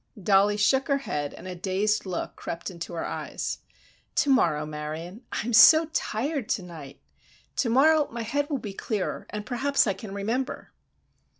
Dollie shook her head and a dazed look crept into her eyes. "To morrow, Marion. I am so tired to night! To morrow my head will be clearer and perhaps I can remember."